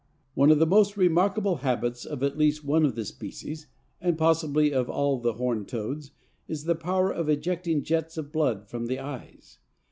One of the most remarkable habits of at least one of the species, and possibly of all the Horned Toads, is the power of ejecting jets of blood from the eyes.